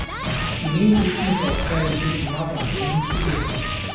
Имеет ли смысл ставить ультиматум самим себе?